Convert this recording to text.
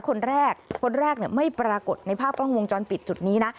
คนแรกคนแรกไม่ปรากฏในภาพกล้องวงจรปิดจุดนี้นะ